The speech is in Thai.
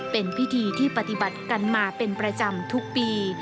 เป็นพิธีที่ปฏิบัติกันมาเป็นประจำทุกปี